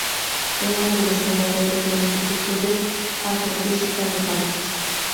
Fue uno de los fundadores del Instituto de Astrofísica de París.